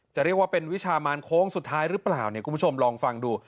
จะเรียกว่าเป็นวิชามานโค้งสุดท้ายหรือเปล่าเนี่ยคุณผู้ชมลองฟังดู